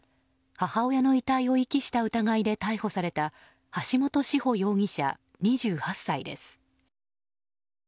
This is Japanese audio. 母親の遺体を遺棄した疑いで逮捕された橋本志穂容疑者、２８歳です。